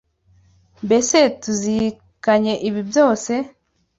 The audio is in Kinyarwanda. mbese tuzirikanye ibi byose